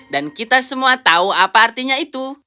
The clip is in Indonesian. dan kita semua tahu apa artinya itu